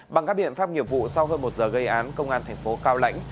bằng các biện pháp nghiệp vụ sau hơn một giờ gây án công an thành phố cao lãnh